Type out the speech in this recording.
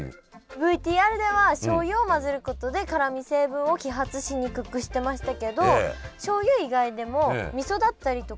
ＶＴＲではしょうゆを混ぜることで辛み成分を揮発しにくくしてましたけどしょうゆ以外でもみそだったりとか。